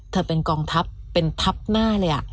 เป็นกองทัพเป็นทัพหน้าเลย